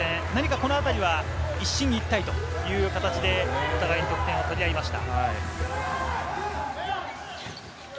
このあたりは一進一退という形で、お互いに得点を取り合いました。